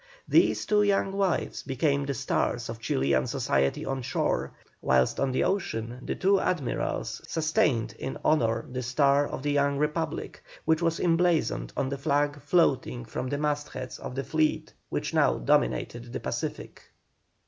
These two young wives became the stars of Chilian society on shore, whilst on the ocean the two Admirals sustained in honour the star of the young Republic which was emblazoned on the flag floating from the mast heads of the fleet which now dominated the Pacific.